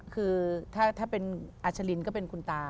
คือถ้าเป็นอัชลินก็เป็นคุณตา